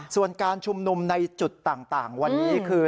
ส่วนการชุมนุมในจุดต่างวันนี้คือ